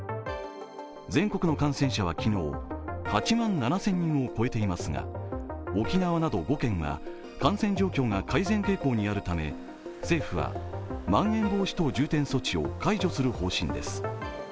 全国の感染者は昨日、８万７０００人を超えていますが、沖縄など５県は感染状況が改善傾向にあるため政府は、まん延防止等重点措置を解除する方針です。